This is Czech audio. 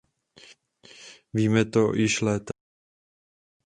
Víme to již léta.